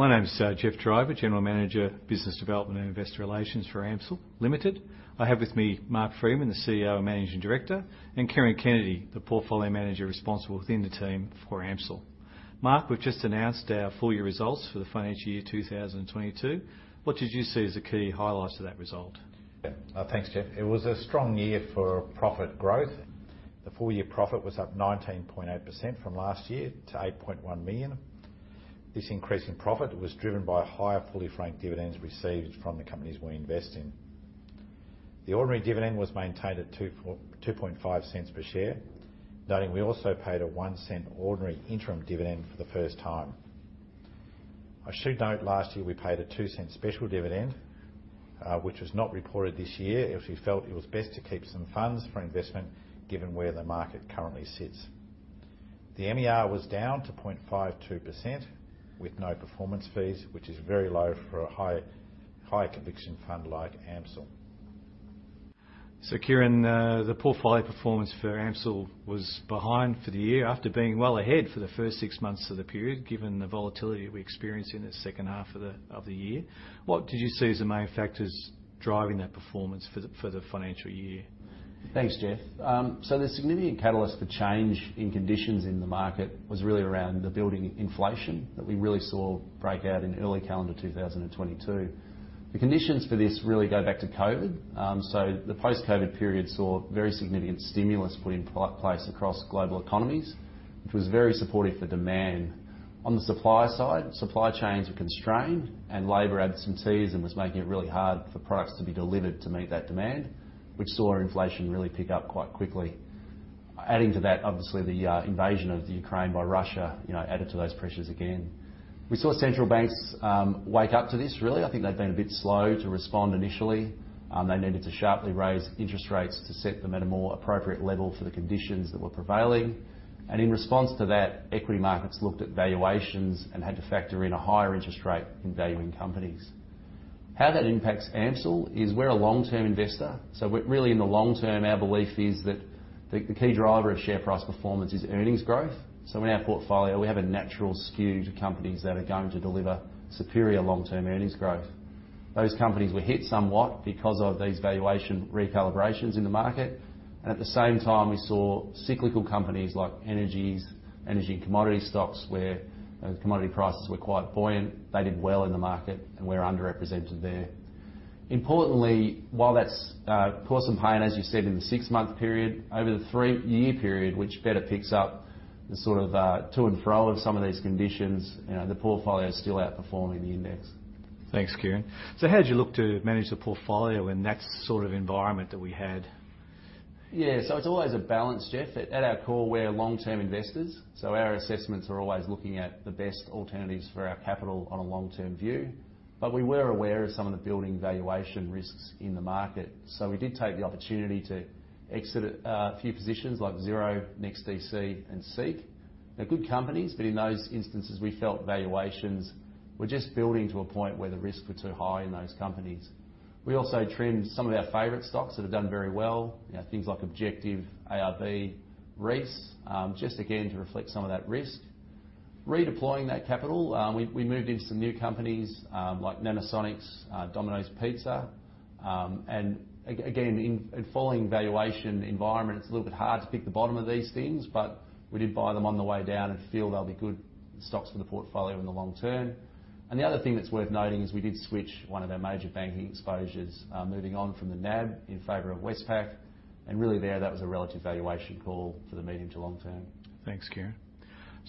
My name is Geoffrey Driver, General Manager, Business Development and Investor Relations for AMCIL Limited. I have with me Mark Freeman, the CEO and Managing Director, and Kieran Kennedy, the Portfolio Manager responsible within the team for AMCIL. Mark, we've just announced our full year results for the financial year 2022. What did you see as the key highlights to that result? Yeah. Thanks, Geoff. It was a strong year for profit growth. The full year profit was up 19.8% from last year to 8.1 million. This increase in profit was driven by higher fully franked dividends received from the companies we invest in. The ordinary dividend was maintained at 0.025 per share. Noting we also paid a 0.01 ordinary interim dividend for the first time. I should note, last year we paid a 0.02 special dividend, which was not reported this year, as we felt it was best to keep some funds for investment given where the market currently sits. The MER was down to 0.52% with no performance fees, which is very low for a high conviction fund like AMCIL. Kieran, the portfolio performance for AMCIL was behind for the year after being well ahead for the first six months of the period, given the volatility that we experienced in the second half of the year. What did you see as the main factors driving that performance for the financial year? Thanks, Geoff. The significant catalyst for change in conditions in the market was really around the building inflation that we really saw break out in early calendar 2022. The conditions for this really go back to COVID. The post-COVID period saw very significant stimulus put in place across global economies, which was very supportive for demand. On the supply side, supply chains were constrained, and labor absenteeism was making it really hard for products to be delivered to meet that demand, which saw inflation really pick up quite quickly. Adding to that, obviously the invasion of the Ukraine by Russia, you know, added to those pressures again. We saw central banks wake up to this, really. I think they'd been a bit slow to respond initially. They needed to sharply raise interest rates to set them at a more appropriate level for the conditions that were prevailing. In response to that, equity markets looked at valuations and had to factor in a higher interest rate in valuing companies. How that impacts AMCIL is we're a long-term investor, so we're really in the long term, our belief is that the key driver of share price performance is earnings growth. In our portfolio, we have a natural skew to companies that are going to deliver superior long-term earnings growth. Those companies were hit somewhat because of these valuation recalibrations in the market. At the same time, we saw cyclical companies like energy and commodity stocks, where commodity prices were quite buoyant. They did well in the market, and we're underrepresented there. Importantly, while that's caused some pain, as you said, in the six-month period, over the three-year period, which better picks up the sort of to and fro of some of these conditions, you know, the portfolio is still outperforming the index. Thanks, Kieran. How do you look to manage the portfolio in that sort of environment that we had? Yeah. It's always a balance, Geoff. At our core, we're long-term investors, so our assessments are always looking at the best alternatives for our capital on a long-term view. We were aware of some of the building valuation risks in the market. We did take the opportunity to exit a few positions like Xero, NEXTDC and Seek. They're good companies, but in those instances we felt valuations were just building to a point where the risks were too high in those companies. We also trimmed some of our favorite stocks that have done very well, you know, things like Objective, ARB, Reece, just again, to reflect some of that risk. Redeploying that capital, we moved into some new companies, like Nanosonics, Domino's Pizza. Again, in following valuation environment, it's a little bit hard to pick the bottom of these things, but we did buy them on the way down and feel they'll be good stocks for the portfolio in the long term. The other thing that's worth noting is we did switch one of our major banking exposures, moving on from the NAB in favor of Westpac. Really there that was a relative valuation call for the medium to long term. Thanks, Kieran.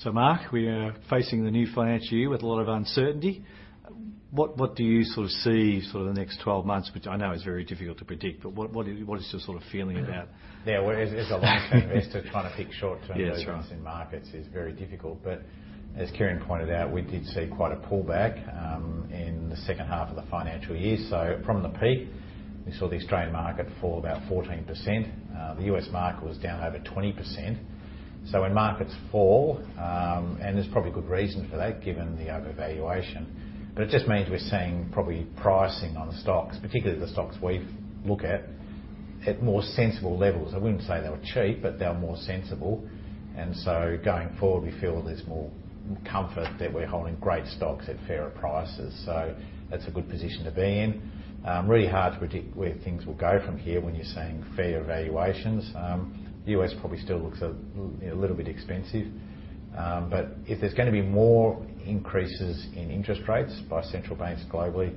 Mark, we are facing the new financial year with a lot of uncertainty. What do you sort of see sort of the next 12 months, which I know is very difficult to predict, but what is your sort of feeling about? Yeah. Well, as a long-term investor trying to pick short-term movements. Yeah, that's right. In markets is very difficult. As Kieran pointed out, we did see quite a pullback in the second half of the financial year. From the peak, we saw the Australian market fall about 14%. The U.S. market was down over 20%. When markets fall, and there's probably good reason for that given the overvaluation, but it just means we're seeing probably pricing on the stocks, particularly the stocks we look at more sensible levels. I wouldn't say they were cheap, but they were more sensible. Going forward, we feel there's more comfort that we're holding great stocks at fairer prices. That's a good position to be in. Really hard to predict where things will go from here when you're seeing fair valuations. The U.S. probably still looks a little, you know, bit expensive. If there's gonna be more increases in interest rates by central banks globally,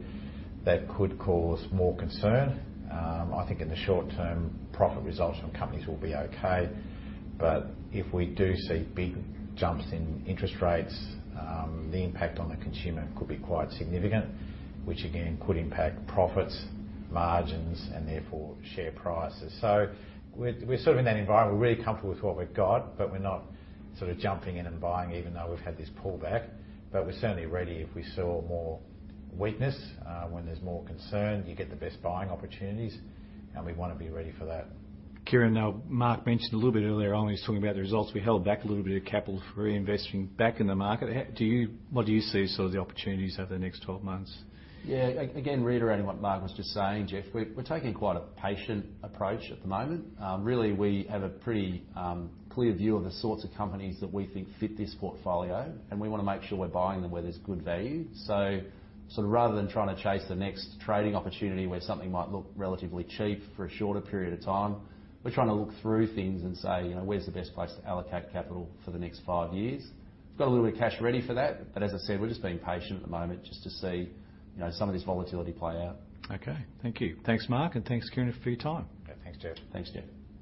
that could cause more concern. I think in the short term, profit results from companies will be okay. If we do see big jumps in interest rates, the impact on the consumer could be quite significant, which again could impact profits, margins and therefore share prices. We're sort of in that environment. We're really comfortable with what we've got, but we're not sort of jumping in and buying even though we've had this pullback. We're certainly ready if we saw more weakness. When there's more concern, you get the best buying opportunities, and we wanna be ready for that. Kieran, now Mark mentioned a little bit earlier on, he was talking about the results, we held back a little bit of capital for reinvesting back in the market. What do you see sort of the opportunities over the next 12 months? Yeah. Again, reiterating what Mark was just saying, Geoff, we're taking quite a patient approach at the moment. Really we have a pretty clear view of the sorts of companies that we think fit this portfolio, and we wanna make sure we're buying them where there's good value. Sort of rather than trying to chase the next trading opportunity where something might look relatively cheap for a shorter period of time, we're trying to look through things and say, you know, where's the best place to allocate capital for the next five years? We've got a little bit of cash ready for that, but as I said, we're just being patient at the moment just to see, you know, some of this volatility play out. Okay. Thank you. Thanks Mark, and thanks Kieran for your time. Yeah. Thanks, Geoff. Thanks, Geoff.